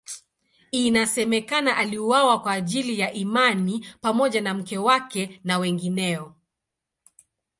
Inasemekana aliuawa kwa ajili ya imani pamoja na mke wake na wengineo.